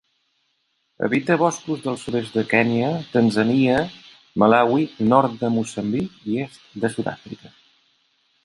Habita boscos del sud-est de Kenya, Tanzània, Malawi, nord de Moçambic i est de Sud-àfrica.